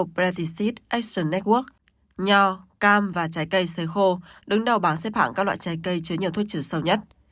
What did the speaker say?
bộ praticid action network nho cam và trái cây sơi khô đứng đầu bảng xếp hẳn các loại trái cây chứa nhiều thuốc trừ sâu nhất